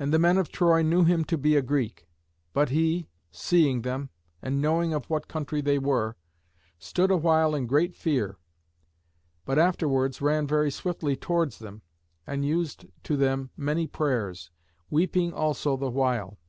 And the men of Troy knew him to be a Greek. But he, seeing them, and knowing of what country they were, stood awhile in great fear, but afterwards ran very swiftly towards them, and used to them many prayers, weeping also the while.